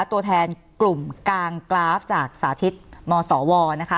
ตัวแทนกลุ่มกางกราฟจากสาธิตมศวนะคะ